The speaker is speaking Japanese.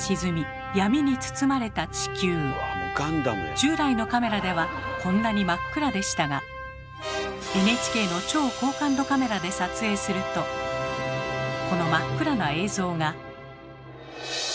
従来のカメラではこんなに真っ暗でしたがＮＨＫの超高感度カメラで撮影するとこの真っ暗な映像が。